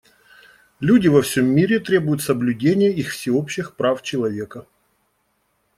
Люди во всем мире требуют соблюдения их всеобщих прав человека.